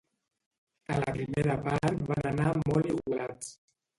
A la primera part van anar molt igualats.